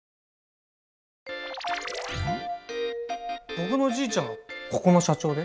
僕のじいちゃんがここの社長で。